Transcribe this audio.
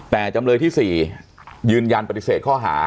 แต่จำเลยที่๔ยืนยันปฏิเสธข้อหา